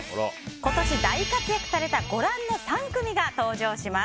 今年、大活躍されたご覧の３組が登場します。